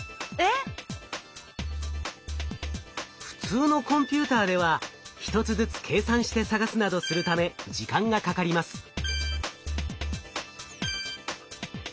普通のコンピューターでは１つずつ計算して探すなどするため時間がかかります。